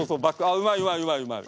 あうまいうまいうまいうまい。